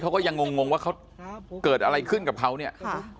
เขาก็ยังงงงว่าเขาเกิดอะไรขึ้นกับเขาเนี่ยค่ะ